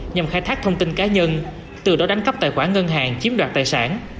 nhằm khai thác thông tin cá nhân từ đó đánh cắp tài khoản ngân hàng chiếm đoạt tài sản